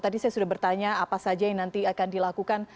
tadi saya sudah bertanya apa saja yang nanti akan dilakukan